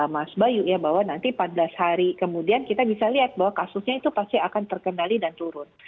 mas bayu ya bahwa nanti empat belas hari kemudian kita bisa lihat bahwa kasusnya itu pasti akan terkendali dan turun